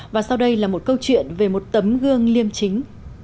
và sau đây là một câu chuyện về một tấm gương liêm chính